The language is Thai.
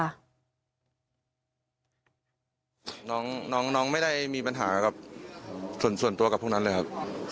ค่ะน้องน้องน้องไม่ได้มีปัญหากับส่วนส่วนตัวกับพวกนั้นเลยครับ